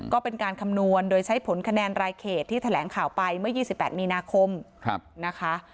ก็เป็นการคำนวณโดยใช้ผลคะแนนรายเขตที่แถลงข่าวไปเมื่อ๒๘มีนาคมนะคะ